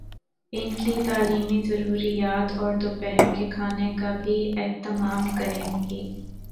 ان کی تعلیمی ضروریات اور دوپہر کے کھانے کا بھی اہتمام کریں گی۔